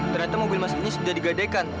ternyata mobil masing masing sudah digadekan